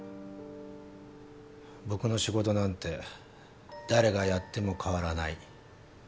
僕の仕事なんて誰がやっても変わらない。